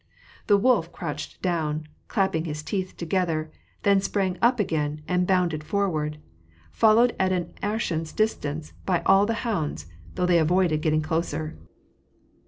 The wolf crouched down, clapped his teeth together, then sprang up again, and bounded forward: followed at an arshin's distance by all the hounds, though they avoided getting closer.